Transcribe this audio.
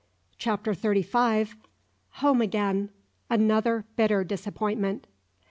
CHAPTER THIRTY FIVE. HOME AGAIN ANOTHER BITTER DISAPPOINTMENT.